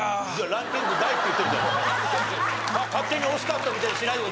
ランキング外って言ってるんですよ。